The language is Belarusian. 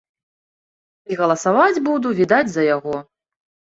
І галасаваць буду, відаць, за яго.